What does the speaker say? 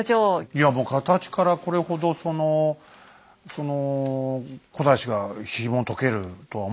いやもう形からこれほどそのその古代史がひもとけるとは思いませんでした。